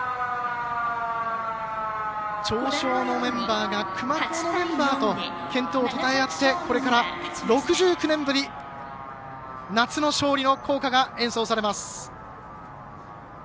長商のメンバーが熊工のメンバーと健闘をたたえ合ってこれから６９年ぶり夏の勝利の校歌が演奏されます。